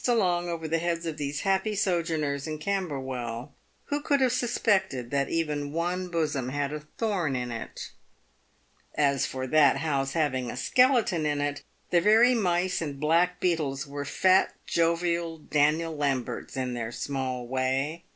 323 along over the heads of these happy sojourners in Camberwell, who could have suspected that even one bosom had a thorn in it ? As for that house having a skeleton in it, the very mice and blackbeetles were fat jovial Daniel Lamberts in their small way.